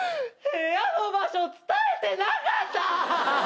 部屋の場所伝えてなかった！